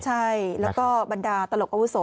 ใช่แล้วก็บรรดาตลกอาวุโส